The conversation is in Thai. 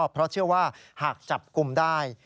เพราะเชื่อว่าหากจับกลุ่มได้